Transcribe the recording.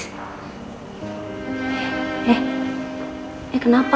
eh eh eh kenapa